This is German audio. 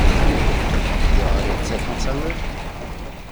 Habt ihr eine Zeckenzange?